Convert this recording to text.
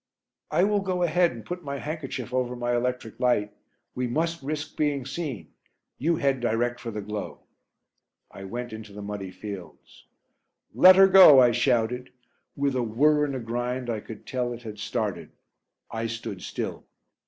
"I will go ahead and put my handkerchief over my electric light; we must risk being seen you head direct for the glow." I went into the muddy fields. "Let her go," I shouted. With a whir and a grind I could tell it had started. I stood still.